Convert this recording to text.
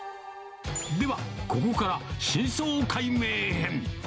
では、ここからは真相解明へ。